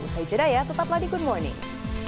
saya jedaya tetap lagi good morning